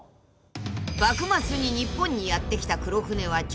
［幕末に日本にやって来た黒船は蒸気船］